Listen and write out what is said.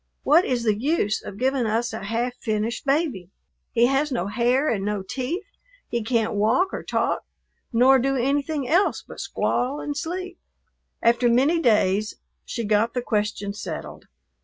What is the use of giving us a half finished baby? He has no hair, and no teeth; he can't walk or talk, nor do anything else but squall and sleep." After many days she got the question settled.